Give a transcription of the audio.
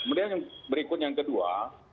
kemudian yang berikut yang kedua